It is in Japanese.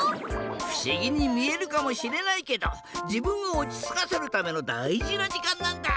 ふしぎにみえるかもしれないけどじぶんをおちつかせるためのだいじなじかんなんだ。